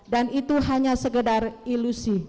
dan itu hanya segedar ilusi